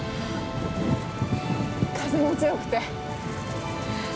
風も強くて。